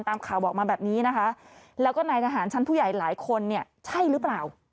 ตามข่าวบอกมาแบบนี้นะคะแล้วก็นายทหารชั้นผู้ใหญ่หลายคนเนี่ยใช่หรือเปล่า